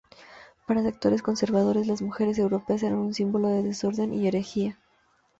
Para sectores conservadores, las mujeres europeas eran un símbolo de desorden y herejía.